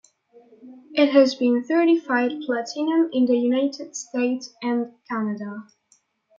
It has been certified platinum in the United States and Canada.